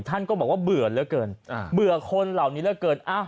ท่านก็บอกว่าเบื่อเหลือเกินเบื่อคนเหล่านี้เหลือเกิน